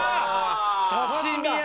刺し身や！